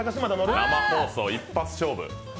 生放送一発勝負。